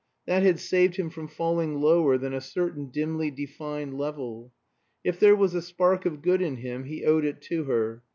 That had saved him from falling lower than a certain dimly defined level. If there was a spark of good in him he owed it to her.